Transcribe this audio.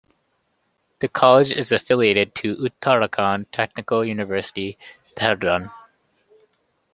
The college is affiliated to Uttarakhand Technical University, Dehradun.